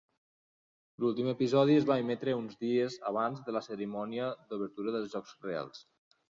L'últim episodi es va emetre uns dies abans de la cerimònia d'obertura dels jocs reals.